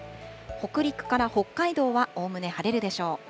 北陸から北海道はおおむね晴れるでしょう。